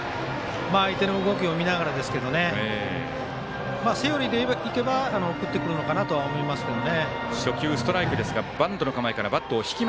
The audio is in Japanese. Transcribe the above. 相手の動きを見ながらですけどセオリーでいけば送ってくるのかなとは思いますけどね。